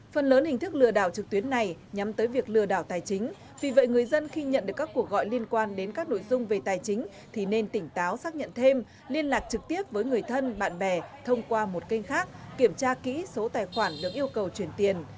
phần lớn hình thức lừa đảo trực tuyến này nhắm tới việc lừa đảo tài chính vì vậy người dân khi nhận được các cuộc gọi liên quan đến các nội dung về tài chính thì nên tỉnh táo xác nhận thêm liên lạc trực tiếp với người thân bạn bè thông qua một kênh khác kiểm tra kỹ số tài khoản được yêu cầu chuyển tiền